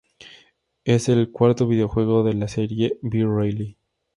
Es el cuarto videojuego de la serie "V-Rally".